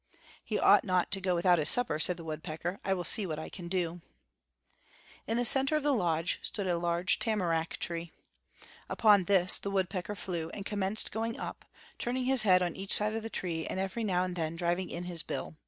"He ought not to go without his supper," said the woodpecker. "I will see what I can do." In the center of the lodge stood a large tamarack tree. Upon this the woodpecker flew, and commenced going up, turning his head on each side of the tree and every now and then driving in his bill.